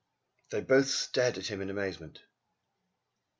They both stared at him in amazement.